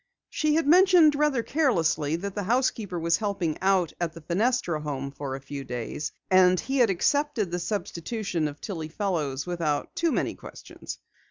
She had mentioned rather carelessly that the housekeeper was helping out at the Fenestra home for a few days, and he had accepted the substitution of Tillie Fellows without too many questions.